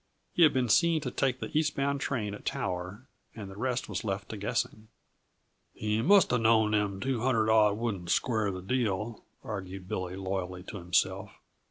He had been seen to take the eastbound train at Tower, and the rest was left to guessing. "He must uh known them two hundred odd wouldn't square the deal," argued Billy loyally to himself.